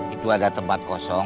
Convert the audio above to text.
itu ada tempat kosong